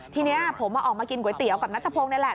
ทีนี้ผมออกมากินก๋วยเตี๋ยวกับนัทพงศ์นี่แหละ